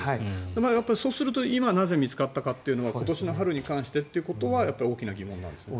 そうすると今なぜ見つかったかというのは今年の春に関してということは大きな疑問なんですね。